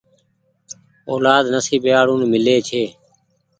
اولآد نسيبي وآڙون ميلي ڇي۔